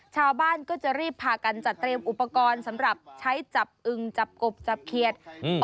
ชาวบ้านก็จะรีบพากันจัดเตรียมอุปกรณ์สำหรับใช้จับอึงจับกบจับเขียด